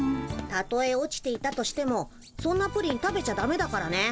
たとえ落ちていたとしてもそんなプリン食べちゃダメだからね。